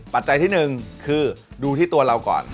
ปัจจัยที่หนึ่งคือดูที่ตัวเราก่อน